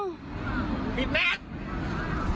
ปิดแมท